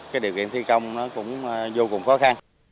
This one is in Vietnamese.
cái điều kiện thi công nó cũng vô cùng khó khăn